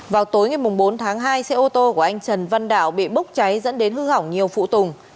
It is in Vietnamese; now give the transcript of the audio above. vào tối ngày bốn tháng hai xe ô tô của anh trần văn đạo bị bốc cháy dẫn đến hư hỏng nhiều phụ tùng